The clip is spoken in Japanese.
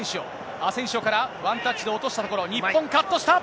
アセンシオから、ワンタッチで落としたところ、日本、カットした。